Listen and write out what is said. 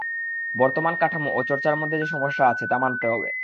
বর্তমান কাঠামো ও চর্চার মধ্যে যে সমস্যা আছে, তা মানতে হবে।